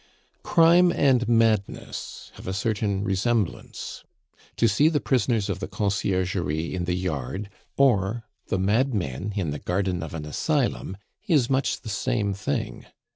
Crime and madness have a certain resemblance. To see the prisoners of the Conciergerie in the yard, or the madmen in the garden of an asylum, is much the same thing.